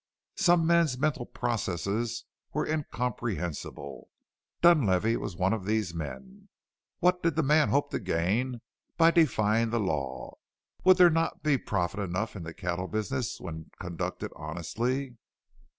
Some men's mental processes were incomprehensible. Dunlavey was one of these men. What did the man hope to gain by defying the law? Would there not be profit enough in the cattle business when conducted honestly?